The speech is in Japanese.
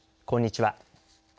こんにちは。